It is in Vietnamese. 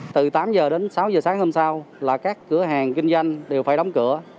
từ tám h đến sáu giờ sáng hôm sau là các cửa hàng kinh doanh đều phải đóng cửa